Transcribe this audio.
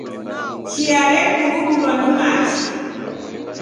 Chia rekurudulwa ni machi.